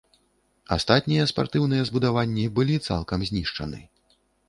Астатнія спартыўныя збудаванні былі цалкам знішчаны.